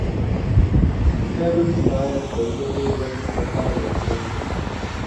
فلم باید د ژبې وده ته کار وکړي